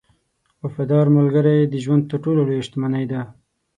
• وفادار ملګری د ژوند تر ټولو لوی شتمنۍ ده.